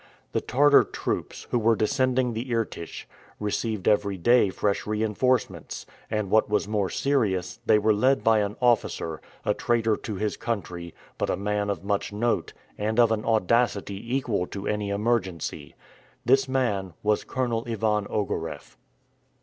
The Tartar troops, who were descending the Irtych, received every day fresh reinforcements, and, what was more serious, they were led by an officer, a traitor to his country, but a man of much note, and of an audacity equal to any emergency. This man was Colonel Ivan Ogareff.